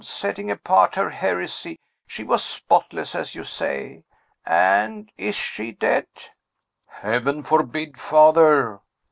Setting apart her heresy, she was spotless, as you say. And is she dead?" "Heaven forbid, father!"